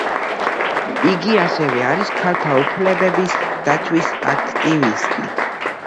იგი ასევე არის ქალთა უფლებების დაცვის აქტივისტი.